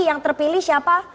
yang terpilih siapa